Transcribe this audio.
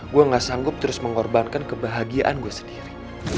gue gak sanggup terus mengorbankan kebahagiaan gue sendiri